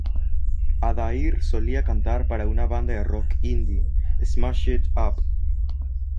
Adair solía cantar para una banda de rock indie, Smash It Up.